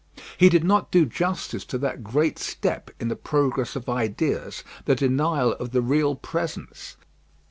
He did not do justice to that great step in the progress of ideas, the denial of the real presence.